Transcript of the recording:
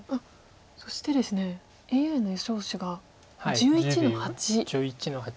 そしてですねＡＩの予想手が１１の八。